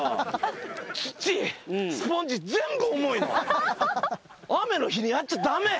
土スポンジ全部重いの。